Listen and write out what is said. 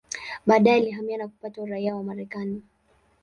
Baadaye alihamia na kupata uraia wa Marekani.